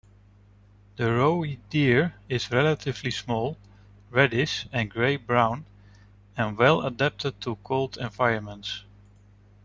The roe deer is relatively small, reddish and grey-brown, and well-adapted to cold environments.